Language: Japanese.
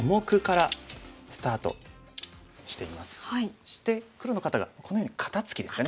そして黒の方がこのように肩ツキですかね。